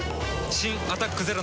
新「アタックＺＥＲＯ」